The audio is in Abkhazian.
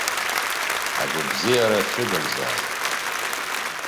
Агәабзиара шәыгымзааит!